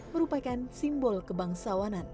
merupakan simbol kebangsawanan